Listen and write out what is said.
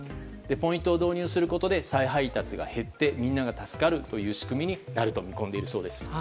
ポイントを導入することで再配達が減ってみんなが助かる仕組みになると見込んでいるそうです。